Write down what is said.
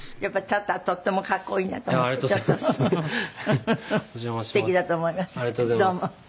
やっぱり立ったらとってもかっこいいなと思って。